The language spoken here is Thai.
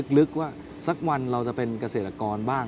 คุณต้องเป็นผู้งาน